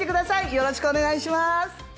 よろしくお願いします！